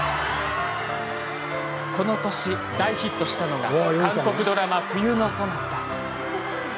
この年、大ヒットしたのが韓国ドラマ「冬のソナタ」。